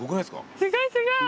すごいすごい。